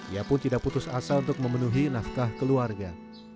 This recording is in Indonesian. ia pun tidak putus asa untuk memenuhi nafkah keluarga